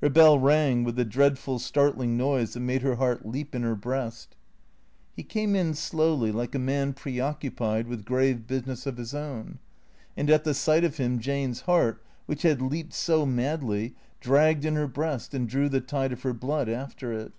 Her bell rang with the dreadful, startling noise that made her heart leap in her breast. THE CREATORS 273 He came in slowly like a man preoccupied with grave busi ness of his own. And at the sight of him Jane's heart, which had leaped so madly, dragged in her breast and drew the tide of her blood after it.